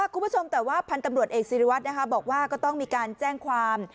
คุณผู้ชมแต่ว่าพันธ์ตำรวจเอกศิริวัตรบอกว่าก็ต้องมีการแจ้งความ